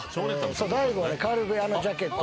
大悟は軽部アナジャケット